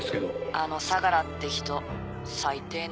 あの相良って人最低ね。